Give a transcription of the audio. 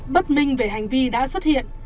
bất minh về hành vi đã xuất hiện